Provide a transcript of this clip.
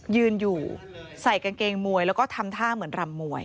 ยืนอยู่ใส่กางเกงมวยแล้วก็ทำท่าเหมือนรำมวย